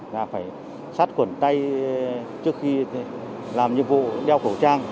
là phải sát khuẩn tay trước khi làm nhiệm vụ đeo khẩu trang